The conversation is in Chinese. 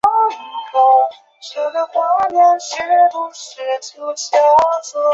咸丰三年癸丑科进士。